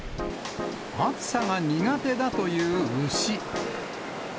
暑さが苦手だという牛。